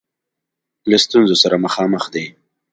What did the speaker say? له ستونزه سره مخامخ دی.